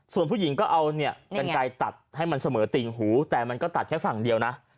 ส่วนผู้หญิงก็เอาเนี่ยกันไกลตัดให้มันเสมอติ่งหูแต่มันก็ตัดแค่ฝั่งเดียวนะ